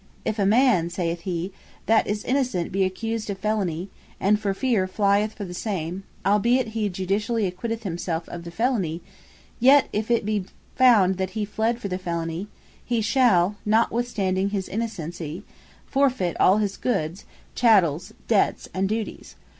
"If a man," saith he, "that is Innocent, be accused of Felony, and for feare flyeth for the same; albeit he judicially acquitteth himselfe of the Felony; yet if it be found that he fled for the Felony, he shall notwithstanding his Innocency, Forfeit all his goods, chattels, debts, and duties.